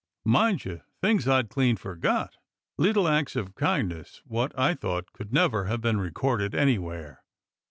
Mind you, things I'd clean forgot. Little acts of kind ness wot I thought could never have been recorded any where.